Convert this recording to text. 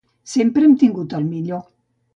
Sempre hem tingut el millor.